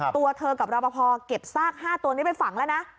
ตัวเธอกับรอปภเก็บซาก๕ตัวนี้ไปฝังแล้วนะ